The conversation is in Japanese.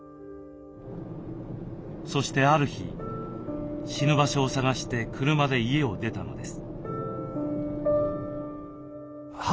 そしてある日死ぬ場所を探して車で家を出たのです。